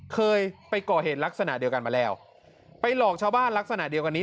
เคยไปก่อเหตุลักษณะเดียวกันมาแล้วไปหลอกชาวบ้านลักษณะเดียวกันนี้